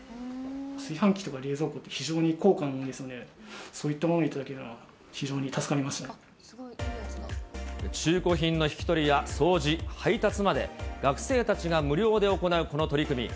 炊飯器とか、冷蔵庫って非常に高価なものですので、そういったものを頂けるの中古品の引き取りや掃除、配達まで、学生たちが無料で行うこの取り組み。